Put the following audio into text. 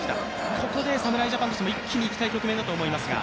ここで侍ジャパンとしても一気にいきたい局面だと思いますが。